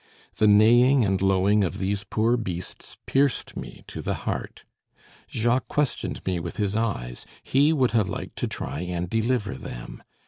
The neighing and lowing of these poor beasts pierced me to the heart. Jacques questioned me with his eyes; he would have liked to try and deliver them.